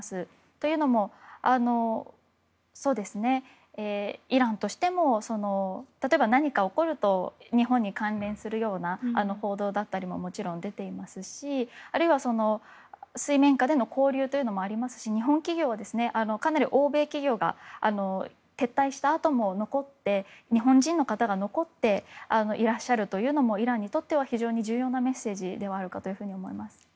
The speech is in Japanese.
というのもイランとしても例えば何か起こると日本に関連するような報道だったりももちろん出ていますしあるいは水面下での交流もありますし日本企業はかなり欧米企業が撤退したあとも日本人の方が残っていらっしゃるのもイランにとっては、非常に重要なメッセージだと思います。